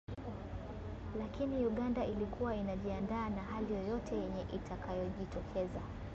Lakini Uganda ilikuwa inajiandaa na hali yoyote yenye itakayojitokeza